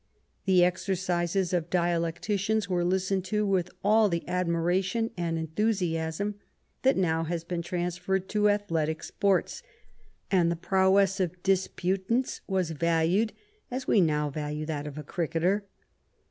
The exercises of dialecticians were listened to with all the admiration and enthu siasm that now has been transferred to athletic sports, and the prowess of disputants was valued as we now value that of a cricketer.